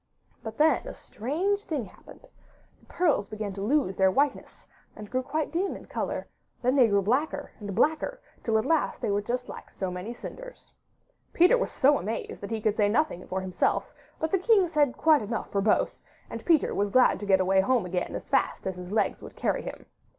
But then a strange thing happened: the pearls began to lose their whiteness and grew quite dim in colour; then they grew blacker and blacker till at last they were just like so many cinders. Peter was so amazed that he could say nothing for himself, but the king said quite enough for both, and Peter was glad to get away home again as fast as his legs would carry him.